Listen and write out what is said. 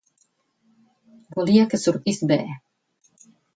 Volia que sortís bé.